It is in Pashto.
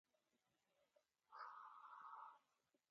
ازادي راډیو د سوداګریز تړونونه په اړه د عبرت کیسې خبر کړي.